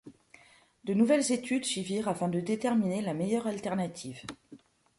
De nouvelles études suivirent afin de déterminer la meilleure alternative.